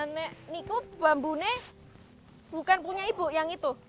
nek bambu ini bukan punya ibu yang itu